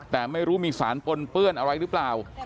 แต่ไม่รู้มีสารปนเปื้อนอะไรหรือเปล่า